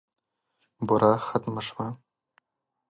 بوره ختمه شوه .